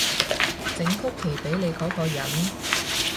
整曲奇畀你嗰個人